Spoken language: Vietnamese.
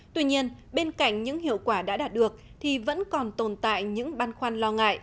tuy nhiên bên cạnh những hiệu quả đã đạt được thì vẫn còn tồn tại những băn khoăn lo ngại